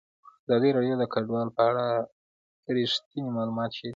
ازادي راډیو د کډوال په اړه رښتیني معلومات شریک کړي.